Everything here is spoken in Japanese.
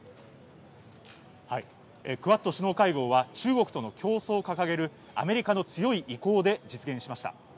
クアッド首脳会合は中国との競争を掲げるアメリカの強い意向で実現しました。